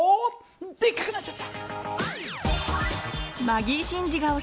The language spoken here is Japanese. でっかくなっちゃった！